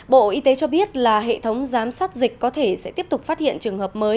bộ y tế cho biết là hệ thống giám sát dịch có thể sẽ tiếp tục phát hiện trường hợp mới